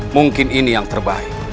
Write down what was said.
mungkin ini yang terbaik